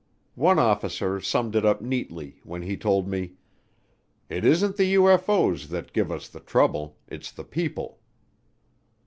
One officer summed it up neatly when he told me, "It isn't the UFO's that give us the trouble, it's the people."